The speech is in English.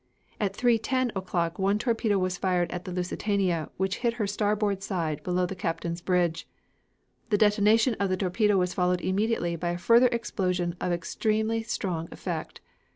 "At 3.10 o'clock one torpedo was fired at the Lusitania, which hit her starboard side below the captain's bridge. The detonation of the torpedo was followed immediately by a further explosion of extremely strong effect.